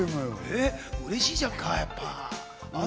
うれしいじゃんか。